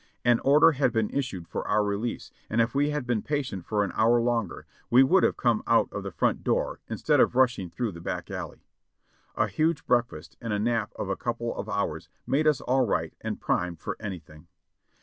An order had been issued for our release and if we had been patient for an hour longer w e w'ould have come out of the front door instead of rushing through the back alley. A huge breakfast and a nap of a couple of hours made us all right and primed for anything.